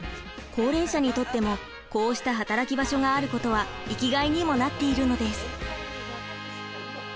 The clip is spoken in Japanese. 高齢者にとってもこうした働き場所があることは生きがいにもなっているのです。